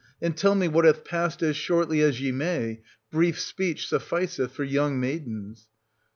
And tell me what hath passed as shortly as ye may ; brief speech sufficeth for young maidens.